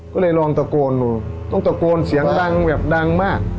ก็เลยลองตะโกนดูต้องตะโกนเสียงดังแบบดังมาก